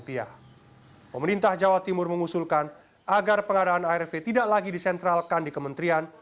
pemerintah jawa timur mengusulkan agar pengadaan arv tidak lagi disentralkan di kementerian